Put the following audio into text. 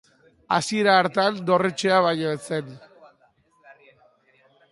Hasiera hartan dorretxea baino ez zen.